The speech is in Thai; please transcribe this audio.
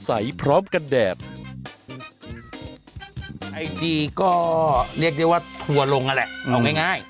ไอจีก็เรียกได้ว่าทัวลงนั่นแหละเอาง่าย